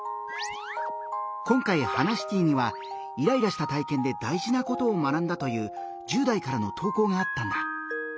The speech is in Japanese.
今回「ハナシティ」にはイライラした体験で大事なことを学んだという１０代からの投稿があったんだ。